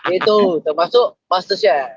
itu termasuk masterchef